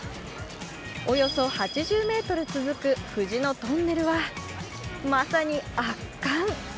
およそ８０ｍ続く藤のトンネルはまさに圧巻。